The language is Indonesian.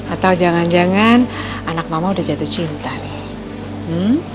atau jangan jangan anak mama udah jatuh cinta nih